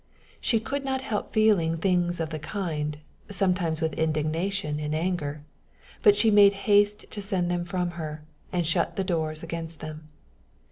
She could not help feeling things of the kind sometimes with indignation and anger; but she made haste to send them from her, and shut the doors against them.